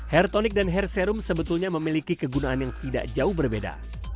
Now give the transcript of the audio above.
hair tonic dan hair serum sebetulnya memiliki kegunaan yang tidak jauh berbeda